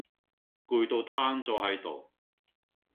攰到攤左係度